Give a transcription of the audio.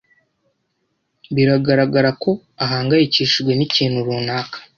biragaragara ko ahangayikishijwe n'ikintu runaka.